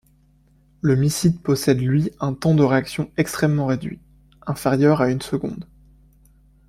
Le missile possède lui un temps de réaction extrêmement réduit, inférieur à une seconde.